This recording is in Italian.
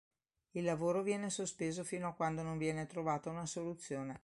Il lavoro viene sospeso fino a quando non viene trovata una soluzione.